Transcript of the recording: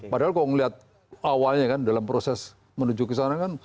padahal kalau melihat awalnya kan dalam proses menuju ke sana kan